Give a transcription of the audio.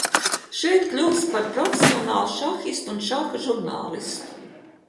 Šeit kļuvis par profesionālu šahistu un šaha žurnālistu.